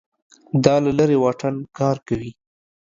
دا له لرې واټن کار کوي